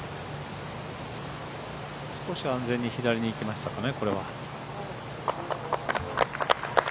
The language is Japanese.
少し安全に左にいきましたかね、これは。